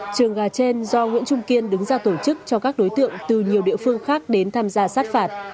trường gà trên do nguyễn trung kiên đứng ra tổ chức cho các đối tượng từ nhiều địa phương khác đến tham gia sát phạt